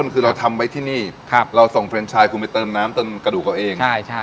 คือเราทำไว้ที่นี่เราส่งเฟรนชายคุณไปเติมน้ำเติมกระดูกตัวเอง